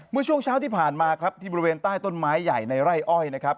เมื่อช่วงเช้าที่ผ่านมาครับที่บริเวณใต้ต้นไม้ใหญ่ในไร่อ้อยนะครับ